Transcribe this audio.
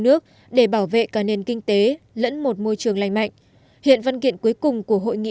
nước để bảo vệ cả nền kinh tế lẫn một môi trường lành mạnh hiện văn kiện cuối cùng của hội nghị